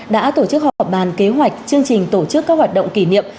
bộ công an đã tổ chức họp bàn kế hoạch chương trình tổ chức các hoạt động kỷ niệm